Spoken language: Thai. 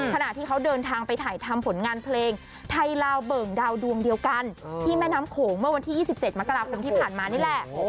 ขณะที่เขาเดินทางไปถ่ายทำผลงานเพลงไทยลาวเบิ่งดาวดวงเดียวกันที่แม่น้ำโขงเมื่อวันที่๒๗มกราคมที่ผ่านมานี่แหละ